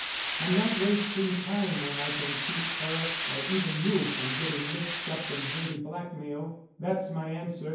"I'm not wasting time when I can keep her—or even you—from getting mixed up in dirty blackmail. That's my answer.